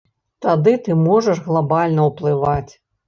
Тады ты можаш глабальна ўплываць.